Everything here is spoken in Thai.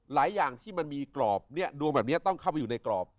อย่างที่มันมีกรอบเนี่ยดวงแบบนี้ต้องเข้าไปอยู่ในกรอบ